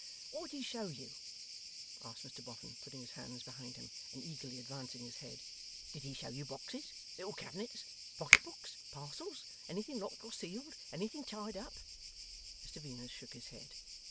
'What did he show you?' asked Mr Boffin, putting his hands behind him, and eagerly advancing his head. 'Did he show you boxes, little cabinets, pocket books, parcels, anything locked or sealed, anything tied up?' Mr Venus shook his head.